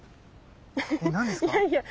え何ですか？